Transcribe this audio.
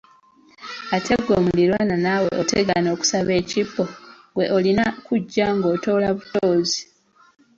Ate ggwe muliraanwa naawe otegana okusaba ekibbo, ggwe olina kujja nga otoola butoozi.